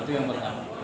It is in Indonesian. itu yang pertama